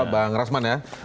bang rasman ya